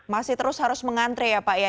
masih terus harus mengantri ya pak ya